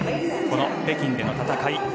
この北京での戦い